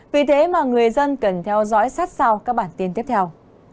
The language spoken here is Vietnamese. vì thế mà người dân cần theo dõi sát sao các bản tin tiếp theo